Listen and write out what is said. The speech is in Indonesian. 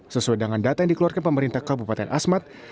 sesuai dengan data yang dikeluarkan pemerintah kabupaten asmat